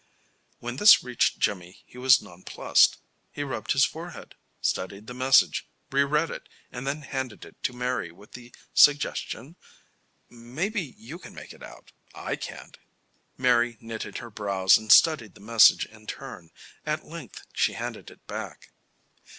When this reached Jimmy he was nonplused. He rubbed his forehead, studied the message, reread it, and then handed it to Mary with the suggestion: "Maybe you can make it out. I can't." Mary knitted her brows and studied the message in turn. At length she handed it back.